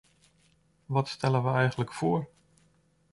Wat stellen we eigenlijk voor?